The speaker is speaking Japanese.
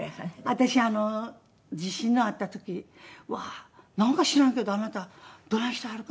私地震のあった時はなんか知らんけどあなたどないしてはるかな。